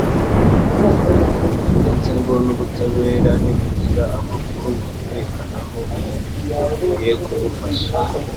ndetse ngo n’ubutabera nibugira amakuru bumukeneraho yiteguye kubufasha